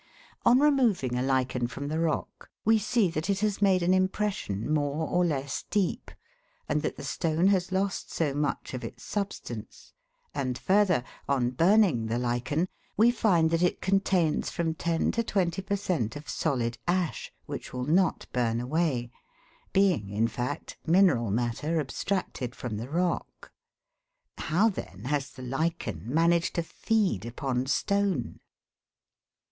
On removing a lichen from the rock, we see that it has made an impression more or less deep, and that the stone has lost so much of its substance ; and further, on burning the lichen, we find that it contains from ten to twenty per cent, of solid ash, which will not burn away, being, in fact, mineral matter abstracted from the rock. How then has the lichen managed to feed upon stone